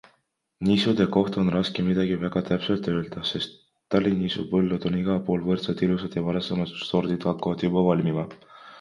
Nisude kohta on raske midagi väga täpselt öelda, sest talinisu põllud on igal pool võrdselt ilusad ja varasemad sordid hakkavad juba valmima.